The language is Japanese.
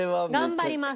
頑張ります！